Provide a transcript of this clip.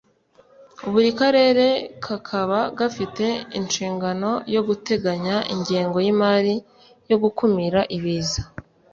buri karere kakaba gafite inshingano yo guteganya ingengo y’imari yo gukumira ibiza